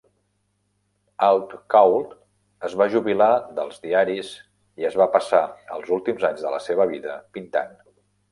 Outcault es va jubilar dels diaris i es va passar els últims anys de la seva vida pintant.